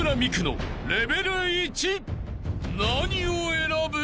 ［何を選ぶ？］